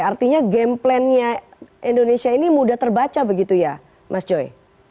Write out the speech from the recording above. artinya game plan nya indonesia ini mudah terbaca begitu ya mas joy